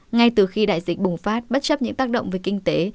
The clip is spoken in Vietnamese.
ngay từ khi đại dịch bùng phát bất chấp những tác động về kinh tế